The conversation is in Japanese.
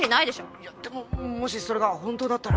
いやでももしそれが本当だったら。